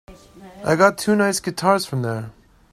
I got two nice guitars from there.